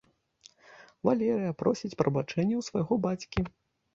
Валерыя просіць прабачэння ў свайго бацькі.